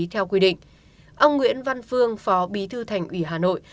theo quy định ông nguyễn văn phương phó bí thư thành ủy hà nội